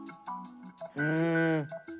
うん。